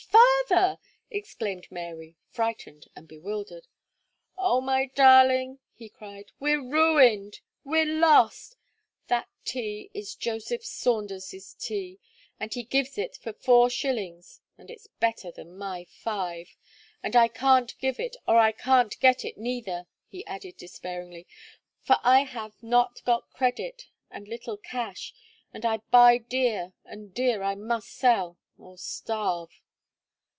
father!" exclaimed Mary, frightened and bewildered. "Oh! my darling!" he cried, "we're ruined we're lost! that tea is Joseph Saunders's tea; and he gives it for four shillings, and it's better than my five. And I can't give it, nor I can't get it neither," he added, despairingly; "for I have not got credit, and little cash; and I buy dear, and dear I must sell, or starve!"